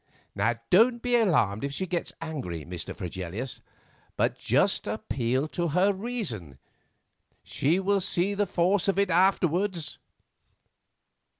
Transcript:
Don't be alarmed if she gets angry, Mr. Fregelius, but just appeal to her reason; she will see the force of it afterwards."